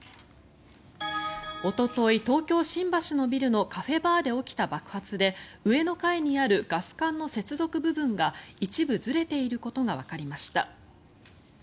おととい、東京・新橋のビルのカフェバーで起きた爆発で上の階にあるガス管の接続部分が一部ずれていることがわかりました。